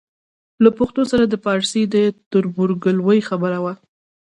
له پښتو سره د پارسي د تربورګلوۍ خبره وه.